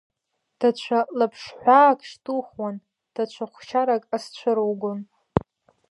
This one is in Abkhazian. Даҽа лаԥшҳәаак шьҭухуан, даҽа хәшьарак азцәыругон.